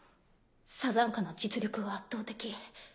サザンカの実力は圧倒的。